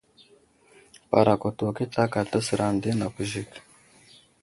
Parakwato wakita aka təsər ane di nakw Zik.